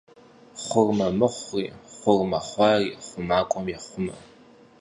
Хъурмэ мыхъури, хъурмэ хъуари хъумакӏуэм ехъумэ.